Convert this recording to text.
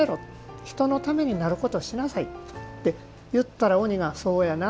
人のためになることをしなさいって言ったら鬼が、そうやなと。